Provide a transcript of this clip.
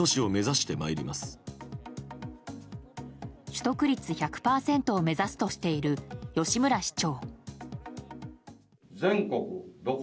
取得率１００％を目指すとしている吉村市長。